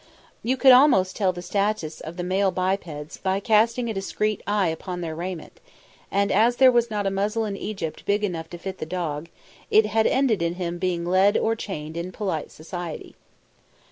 You could almost tell the status of the male bipeds by casting a discreet eye upon their raiment, and as there was not a muzzle in Egypt big enough to fit the dog, it had ended in him being led or chained in polite society.